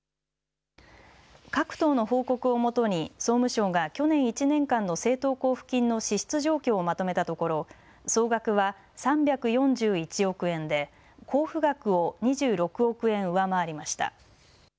各党の報告をもとに総務省が去年１年間の政党交付金の支出状況をまとめたところ総額は３４１億円で交付額を２６億円上回りました。